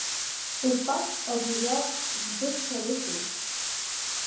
Усҟак агәырҩа збысҭарызеи?!